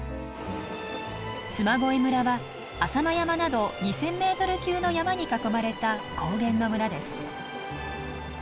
嬬恋村は浅間山など２，０００メートル級の山に囲まれた高原の村です。